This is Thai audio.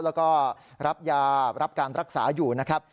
แล้วก็รับยารับการรักษาอยู่นะครับ